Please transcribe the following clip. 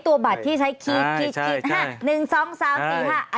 ตัวบัตรที่ใช้ขีด๑๒๓๔๕อันนี้